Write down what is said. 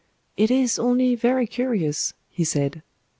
"It is only very curious," he said.